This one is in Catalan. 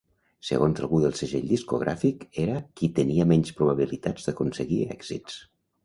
Segons algú del segell discogràfic, era "qui tenia menys probabilitats d'aconseguir èxits".